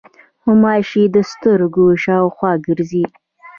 غوماشې د سترګو شاوخوا ګرځي.